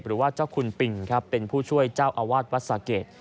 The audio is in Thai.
หรือว่าเจ้าคุณปิงครับเป็นผู้ช่วยเจ้าอาวาสวัดสะเกด